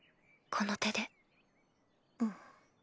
この手で。